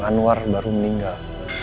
anwar baru meninggal